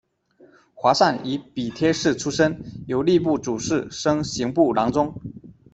华善以笔帖式出身，由吏部主事升刑部郎中。